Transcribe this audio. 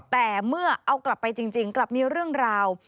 แต่เมื่อเอากลับไปจริงกลับมีเรื่องราว